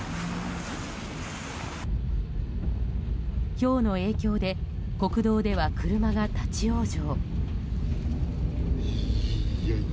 ひょうの影響で国道では車が立ち往生。